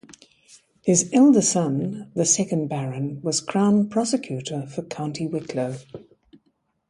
His elder son, the second Baron, was Crown Prosecutor for County Wicklow.